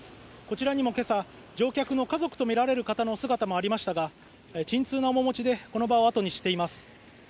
こちらにも今朝、乗客の家族とみられる方の姿もありましたが、沈痛な面持ちでこの場を後にしています。